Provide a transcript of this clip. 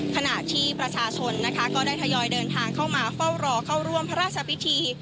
ขณะที่ประชาชนนะคะก็ได้ทยอยเดินทางเข้ามาเฝ้ารอเข้าร่วมพระราชพิธี